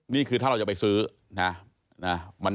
นี่คือถ้าเราจะไปซื้อนะ